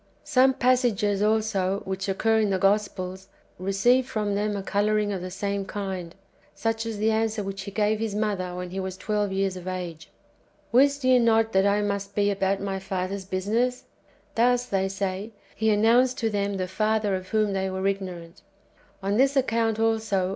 Some passages, also, which occur in the Gospels, receive from them a colouring of the same kind, such as the answer which He gave His mother when He was twelve years of age :" Wist ye not that I must be about my Father's business ?"'■'' Thus, they say. He announced to them the Father of whom they Avere ignorant. On this account, also.